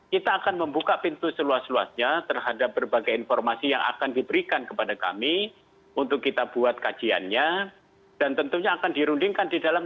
kita akan membuka pintu seluas luasnya terhadap berbagai informasi yang akan diberikan kepada kami untuk kita buat kajiannya dan tentunya akan dirundingkan di dalam